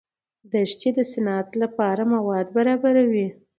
دښتې د صنعت لپاره مواد برابروي.